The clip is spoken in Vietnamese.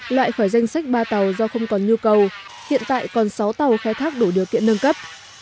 loại khỏi danh sách ba tàu do không còn nhu cầu hiện tại còn sáu tàu khai thác đủ điều kiện nâng cấp